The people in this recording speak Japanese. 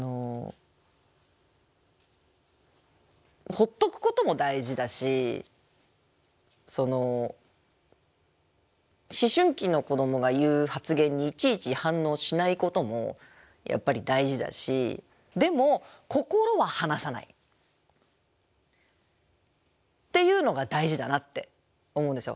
ほっとくことも大事だし思春期の子どもが言う発言にいちいち反応しないこともやっぱり大事だしでも心は離さないっていうのが大事だなって思うんですよ。